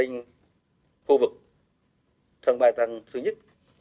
tình hình khu vực sân bay tăng thứ nhất